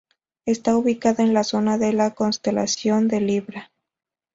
Está ubicada en la zona de la constelación de Libra.